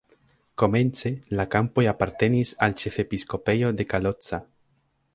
Komence la kampoj apartenis al ĉefepiskopejo de Kalocsa.